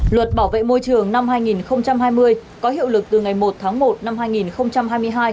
luật bảo vệ môi trường năm hai nghìn hai mươi có hiệu lực từ ngày một tháng một năm hai nghìn hai mươi hai